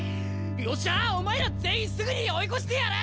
よっしゃお前ら全員すぐに追い越してやる！